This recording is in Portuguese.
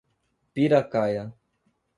Piracaia